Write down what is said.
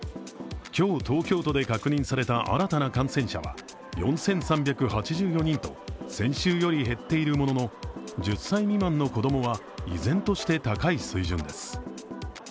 今日、東京都で確認された新たな感染者は４３８４人と先週より減っているものの１０歳未満の子供は依然として高い水準です。